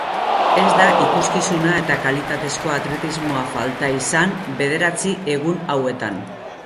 Ez da ikuskizuna eta kalitatezko atletismoa falta izan bederatzi egun hauetan.